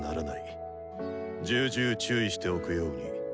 重々注意しておくように。